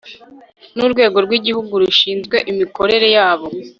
n'urwego rw' igihugu rushinzwe imikorere yabo